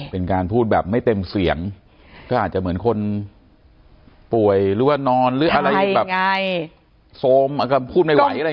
เป็นการพูดแบบไม่เต็มเสียงก็อาจจะเหมือนคนป่วยหรือว่านอนหรืออะไรแบบโซมพูดไม่ไหวอะไร